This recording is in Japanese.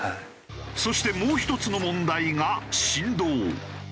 そしてもう１つの問題が振動。